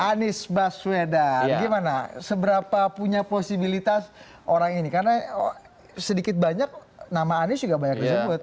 anies baswedan gimana seberapa punya posibilitas orang ini karena sedikit banyak nama anies juga banyak disebut